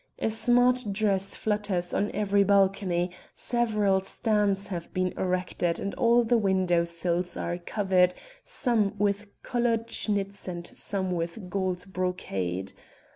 A smart dress flutters on every balcony, several stands have been erected and all the window sills are covered, some with colored chintz and some with gold brocade.